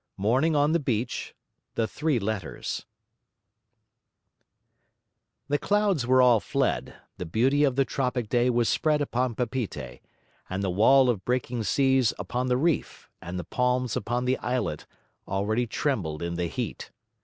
MORNING ON THE BEACH THE THREE LETTERS The clouds were all fled, the beauty of the tropic day was spread upon Papeete; and the wall of breaking seas upon the reef, and the palms upon the islet, already trembled in the heat.